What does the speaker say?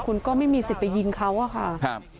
คุณก็ไม่มีสิทธิ์ไปยิงเขาอะค่ะ